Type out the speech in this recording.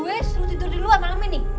gue suruh tidur di luar malam ini